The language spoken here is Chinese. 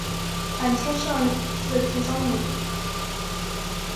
反切上字注声母。